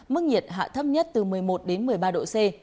mức nhiệt hạ thấp nhất từ một mươi một đến một mươi ba độ c